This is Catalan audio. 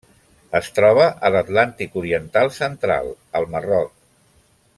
Es troba a l'Atlàntic oriental central: el Marroc.